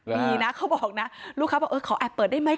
ดีนะเขาบอกนะลูกค้าบอกเออขอแอบเปิดได้ไหม